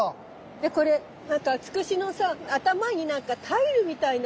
でこれなんかツクシのさ頭に何かタイルみたいな。